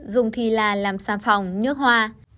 dùng thì là làm xàm phòng nước hoa